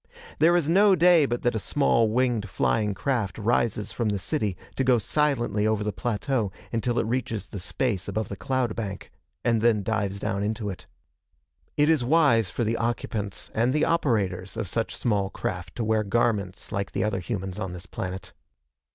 There is no day but that a small, winged flying craft rises from the city to go silently over the plateau until it reaches the space above the cloud bank, and then dives down into it. It is wise for the occupants and the operators of such small craft to wear garments like the other humans on this planet.